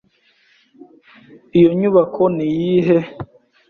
Iyo nyubako niyihe?